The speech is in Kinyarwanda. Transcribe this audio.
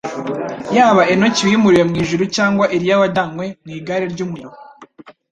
Yaba Enoki wimuriwe mu ijuru cyangwa Eliya wajyanywe mu igare ry'umuriro,